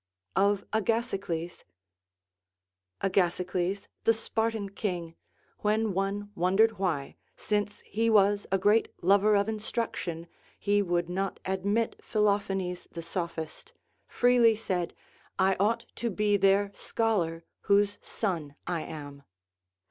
Of Agasicles. Agasicles the Spartan king, when one wondered why, smce he was a great lover of instruction, he would not admit Philophanes the Sophist, freely said, I ought to be their scholar whose son I am.